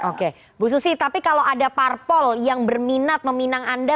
oke bu susi tapi kalau ada parpol yang berminat meminang anda